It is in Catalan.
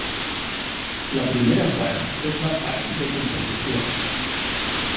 La primera part és la part de composició.